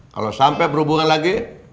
kalo sampe berhubungan lagi